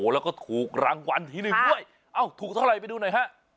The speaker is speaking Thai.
แล้วก็ถูกรางวัลที่หนึ่งด้วยเอ้าถูกเท่าไหร่ไปดูหน่อยฮะ